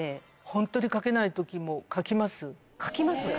本当に書けないときも書きま書きます？